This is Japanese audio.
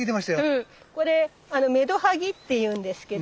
これメドハギっていうんですけど。